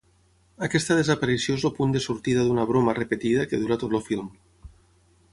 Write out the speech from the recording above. Aquesta desaparició és el punt de sortida d'una broma repetida que dura tot el film.